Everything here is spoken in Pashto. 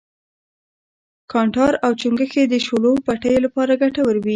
کانټار او چنگښې د شولو پټیو لپاره گټور وي.